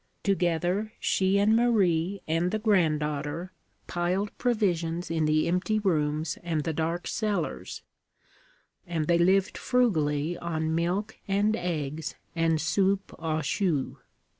Together, she and Marie and the granddaughter piled provisions in the empty rooms and the dark cellars; and they lived frugally on milk and eggs and soupe aux choux.